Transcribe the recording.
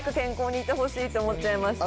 いてほしいって思っちゃいました。